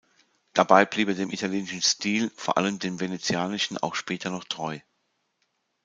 Dabei blieb er dem italienischen Stil, vor allem dem venetianischen, auch später noch treu.